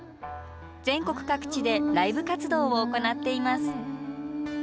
全国各地でライブ活動を行っています。